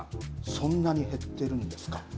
そんなに減っているんですか。